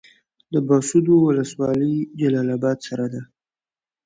د بهسودو ولسوالۍ جلال اباد سره ده